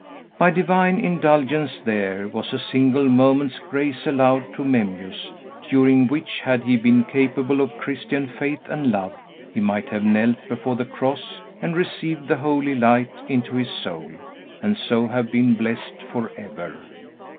By divine indulgence, there was a single moment's grace allowed to Memmius, during which, had he been capable of Christian faith and love, he might have knelt before the cross, and received the holy light into his soul, and so have been blest forever.